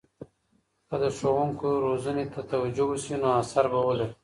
که د ښوونکو روزنې ته توجه وسي، نو اثر به ولري.